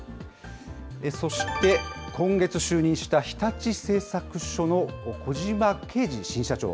そして、今月就任した日立製作所の小島啓二新社長。